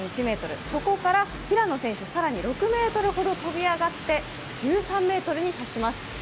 そこから平野選手、更に６ｍほど跳び上がって１３ｍに達します。